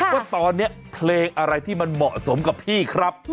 ว่าตอนนี้เพลงอะไรที่มันเหมาะสมกับพี่ครับ